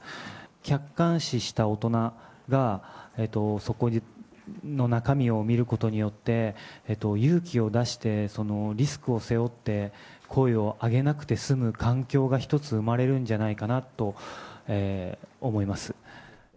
客観視した大人がそこの中身を見ることによって、勇気を出してリスクを背負って、声を上げなくて済む環境が一つ生まれるんじゃないかなと思います。